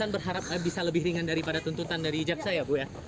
berharap bisa lebih ringan daripada tuntutan dari jaksa ya bu ya